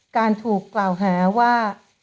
การถูกกล่าวหาว่า